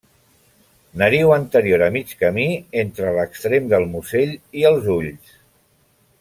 Nariu anterior a mig camí entre l'extrem del musell i els ulls.